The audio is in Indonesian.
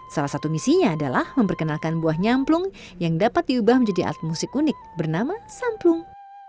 salah satu misinya adalah memperkenalkan buah nyamplung yang dapat diubah menjadi alat musik unik bernama samplung